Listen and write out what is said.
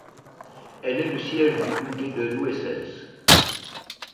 Elle est le siège du comté de Nueces.